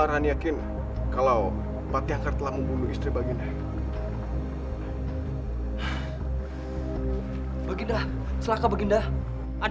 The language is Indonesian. lihatlah sekarang kamu sudah di kalahkannya